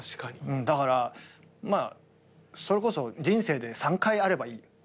だからそれこそ人生で３回あればいい。